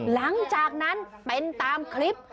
หลังจากนั้นเป็นตามคลิป